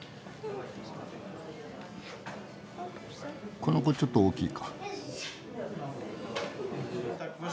この子ちょっと大きいか。